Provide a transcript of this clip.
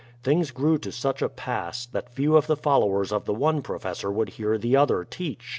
Things grew to such a pass, that few of the followers of the one professor would hear the other teach.